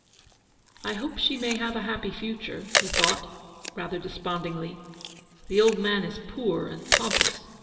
"I hope she may have a happy future," he thought, rather despondingly; "the old man is poor and pompous.